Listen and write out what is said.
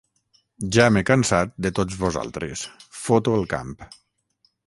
Ja m'he cansat de tots vosaltres: foto el camp!